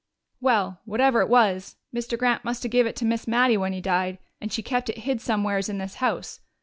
"Well, whatever it was, Mr. Grant must have give it to Miss Mattie when he died, and she kept it hid somewheres in this house.